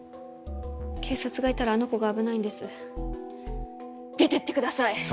警察がいたらあの子が危ないんです出てってください